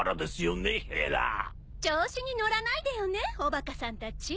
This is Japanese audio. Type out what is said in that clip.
調子に乗らないでよねおバカさんたち。